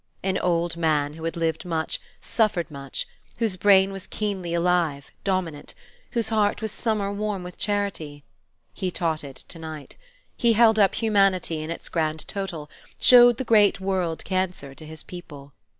An old man, who had lived much, suffered much; whose brain was keenly alive, dominant; whose heart was summer warm with charity. He taught it to night. He held up Humanity in its grand total; showed the great world cancer to his people.